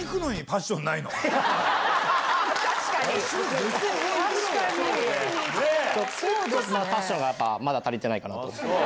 パッションがまだ足りてないかなと。